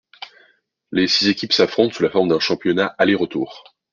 Les six équipes s'affrontent sous la forme d'un championnat aller-retour.